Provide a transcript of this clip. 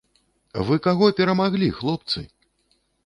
Вы каго перамаглі, хлопцы?!